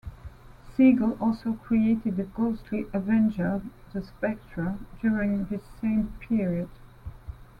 Siegel also created the ghostly avenger The Spectre during this same period.